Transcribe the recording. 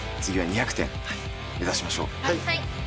はい。